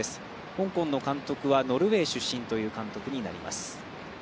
香港の監督はノルウェー出身の監督ということになります。